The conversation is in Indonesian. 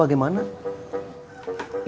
sampai jumpa lagi